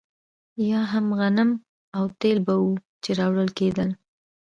یا هم غنم او تېل به وو چې راوړل کېدل.